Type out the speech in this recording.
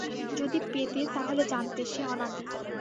যদি পেতে তাহলে জানতে, সে অনাদি।